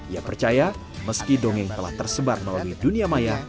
ia percaya meski dongeng telah tersebar melalui dunia maya